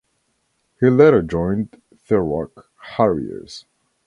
He later joined Thurrock Harriers.